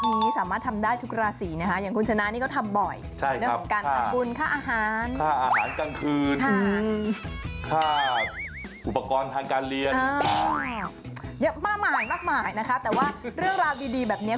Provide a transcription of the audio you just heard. เนี่ยมากนะคะแต่ว่าเรื่องราวดีแบบนี้